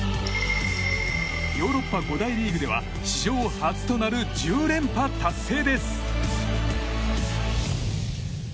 ヨーロッパ五大リーグでは史上初となる１０連覇達成です。